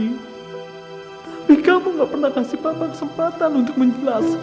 tapi kamu gak pernah kasih papa kesempatan untuk menjelaskan